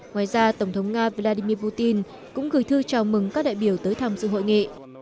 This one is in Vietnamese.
ngoài ra tổng thống nga vladimir putin cũng gửi thư chào mừng các đại biểu tới tham dự hội nghị